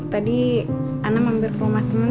tadi ana mampir ke rumah teman